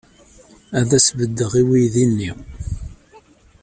Ad as-beddeɣ i uydi-nni.